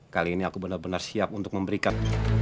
kali ini aku benar benar siap untuk memberikan